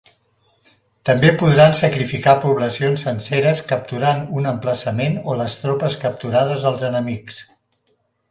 També podran sacrificar poblacions senceres capturant un emplaçament o les tropes capturades als enemics.